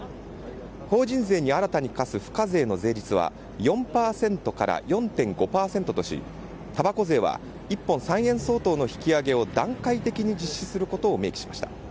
法人税に新たに課す付加税の税率は４％から４．５％としたばこ税は１本３円相当の引き上げを段階的に実施することを明記しました。